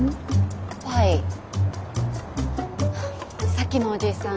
さっきのおじいさん